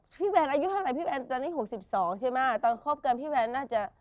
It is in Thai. พี่แวนอายุเท่าไรพี่แวนตอนนี้๖๒ใช่ไหมตอนคบกันพี่แวนน่าจะ